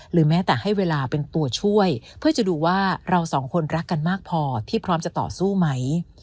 แม้แต่ให้เวลาเป็นตัวช่วยเพื่อจะดูว่าเราสองคนรักกันมากพอที่พร้อมจะต่อสู้ไหม